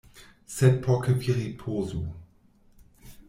Sed por ke vi ripozu.